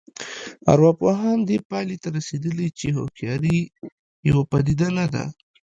ارواپوهان دې پایلې ته رسېدلي چې هوښیاري یوه پدیده نه ده